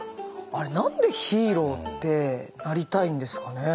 あれ何でヒーローってなりたいんですかね。